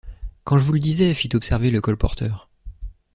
Quand je vous le disais! fit observer le colporteur.